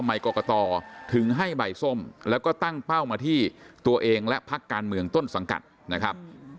กรกตถึงให้ใบส้มแล้วก็ตั้งเป้ามาที่ตัวเองและพักการเมืองต้นสังกัดนะครับ